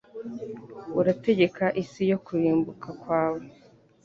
Urategeka isi yo kurimbuka kwawe